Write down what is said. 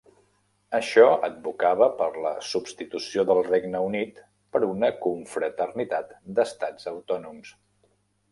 Això advocava per la substitució del Regne Unit per una "confraternitat" d'Estats autònoms.